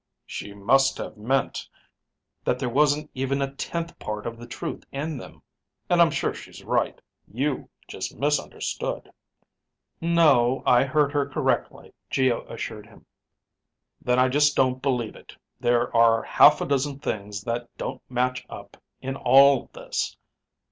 "She must have meant that there wasn't even a tenth part of the truth in them. And I'm sure she's right. You just misunderstood." "No, I heard her correctly," Geo assured him. "Then I just don't believe it. There are half a dozen things that don't match up in all this.